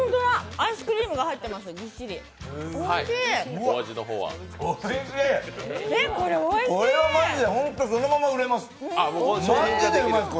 アイスクリームが入ってます、ぎっしり！